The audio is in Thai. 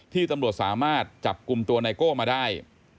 ตำรวจสามารถจับกลุ่มตัวไนโก้มาได้